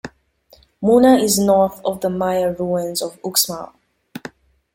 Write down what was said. Muna is north of the Maya ruins of Uxmal.